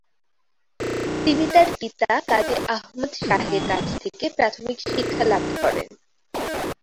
তিনি তার পিতা কাজী আহমদ শাহের কাছ থেকে প্রাথমিক শিক্ষা লাভ করেন।